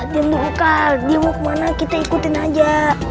diam dulu kak dia mau kemana kita ikutin aja